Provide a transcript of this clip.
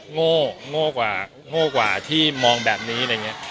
โง่โง่กว่าโง่กว่าที่มองแบบนี้อะไรอย่างนี้